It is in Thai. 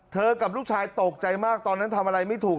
กับลูกชายตกใจมากตอนนั้นทำอะไรไม่ถูก